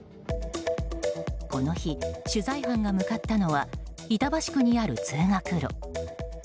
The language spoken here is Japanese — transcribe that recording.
この日、取材班が向かったのは板橋区にある通学路。